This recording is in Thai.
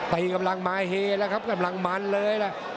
กำลังมาเฮแล้วครับกำลังมันเลยล่ะ